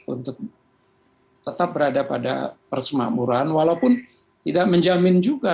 untuk tetap berada pada persemakmuran walaupun tidak menjamin juga